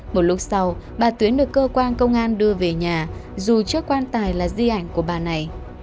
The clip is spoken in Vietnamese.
một lúc sau bà tuyến được cơ quan công an đưa về nhà dù chưa quan tài là di ảnh của bà này